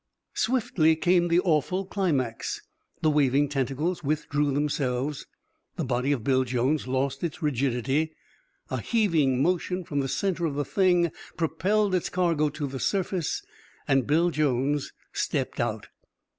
Swiftly came the awful climax. The waving tentacles withdrew themselves, the body of Bill Jones lost its rigidity, a heaving motion from the center of the Thing propelled its cargo to the surface and Bill Jones stepped out!